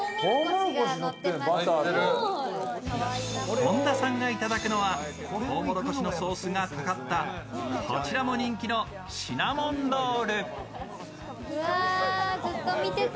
本田さんがいただくのはとうもろこしのソースがかかったこちらも人気のシナモンロール。